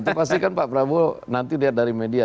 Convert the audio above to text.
itu pasti kan pak prabowo nanti lihat dari media